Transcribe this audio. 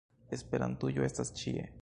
Esperantujo estas ĉie!